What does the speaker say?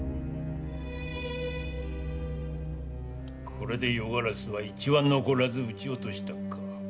これで夜鴉は一羽残らず撃ち落としたか。